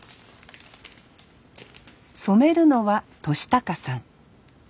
染めるのは敏孝さん。